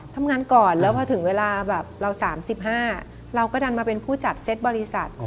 ทำงานก่อนแล้วพอถึงเวลาแบบเรา๓๕เราก็ดันมาเป็นผู้จัดเซตบริษัท